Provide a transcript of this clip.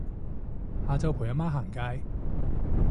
下晝陪阿媽行街